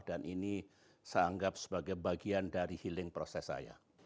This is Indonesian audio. dan ini seanggap sebagai bagian dari healing proses saya